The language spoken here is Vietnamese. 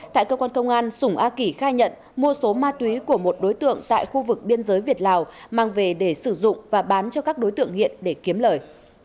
tại cơ quan công an sùng a kỷ khai nhận mua số ma túy của một đối tượng tại khu vực biên giới việt lào mang về để sử dụng và bán cho các đối tượng hiện để kiếm lời